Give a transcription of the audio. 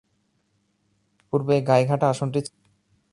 পূর্বে গাইঘাটা আসনটি ছিল না।